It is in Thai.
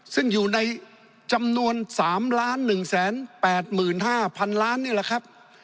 ซึ่งอยู่ในจำนวน๓๑๘๕๐๐๐ล้านนี่แหละครับ